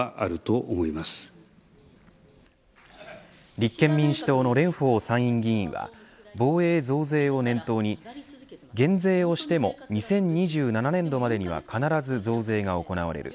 立憲民主党の蓮舫参院議員は防衛増税を念頭に減税をしても２０２７年度までには必ず増税が行われる。